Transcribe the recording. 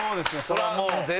それはもう。